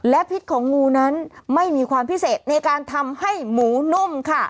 และพิษของงูนั้นไม่มีความพิเศษในการทำให้หมูนุ่มค่ะ